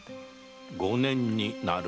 五年になる。